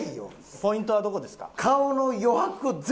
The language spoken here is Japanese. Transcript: ポイントはどこですか？